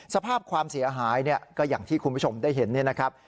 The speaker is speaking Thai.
สภาพความเสียหายก็อย่างที่คุณผู้ชมได้เห็นเนี่ยนะครับ